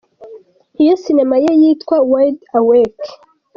Iyo Sinema ye yitwa “Wide Awake”.